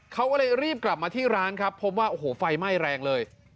เขาก็เลยรีบกลับมาที่ร้านครับพบว่าโอ้โหไฟไหม้แรงเลย